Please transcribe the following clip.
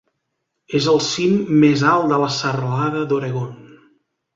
És el cim més alt de la serralada d'Oregon.